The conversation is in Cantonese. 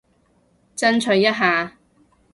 爭取一下